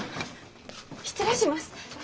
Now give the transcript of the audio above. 失礼します。